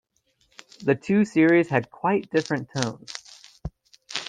The two series had quite different tones.